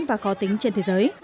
và có tính trên thế giới